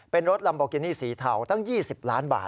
เป็นรถลัมโบกินี่สีเทาตั้ง๒๐ล้านบาท